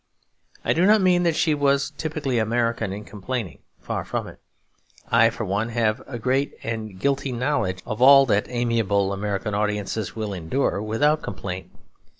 I do not mean that she was typically American in complaining; far from it. I, for one, have a great and guilty knowledge of all that amiable American audiences will endure without complaint.